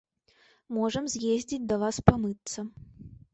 Можам з'ездзіць да вас памыцца.